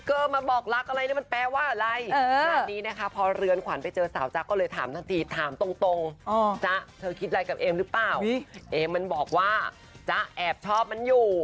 เอมมันบอกว่าจ๊าแอบชอบมันอยู่